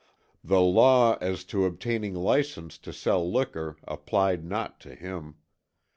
The law as to obtaining license to sell liquor applied not to him.